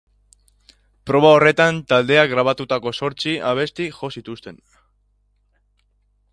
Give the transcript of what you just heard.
Proba horretan taldeak grabatutako zortzi abesti jo zituzten.